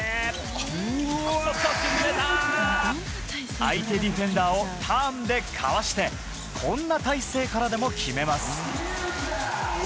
相手ディフェンダーをターンでかわして、こんな体勢からでも決めます。